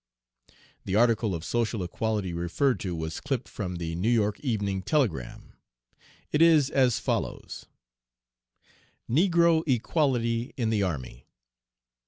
'" The article of social equality referred to was clipped from the New York Evening Telegram. It is as follows: NEGRO EQUALITY IN THE ARMY.